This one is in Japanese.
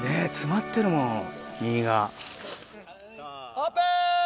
オープン！